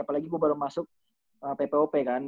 apalagi gue baru masuk ppop kan